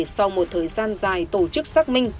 sau một thời gian dài tổ chức xác minh